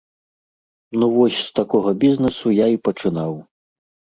Ну вось з такога бізнэсу я і пачынаў.